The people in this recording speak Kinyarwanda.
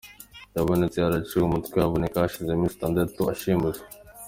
Yabonetse yaraciwe umutwe aboneka hashize iminsi itandatu ashimuswe.